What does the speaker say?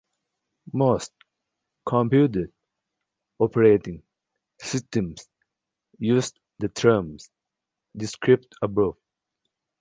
Most computer operating systems use the terms described above.